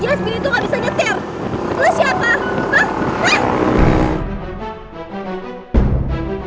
yasmin itu gak bisa nyetir lu siapa hah eh